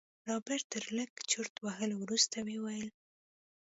رابرټ تر لږ چورت وهلو وروسته وويل.